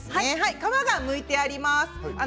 皮がむいてあります。